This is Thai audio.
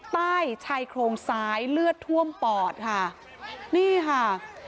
ใต้ชายโครงซ้ายเลือดท่วมปอดค่ะนี่ค่ะ